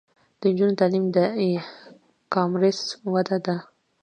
د نجونو تعلیم د ای کامرس وده ده.